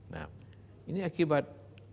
nah ini akibat